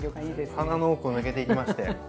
鼻の奥を抜けていきましたよ。